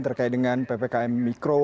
terkait dengan ppkm mikro